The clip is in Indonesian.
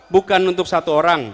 bukan untuk satu orang